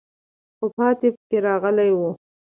خو پاتې پکې راغلی وو.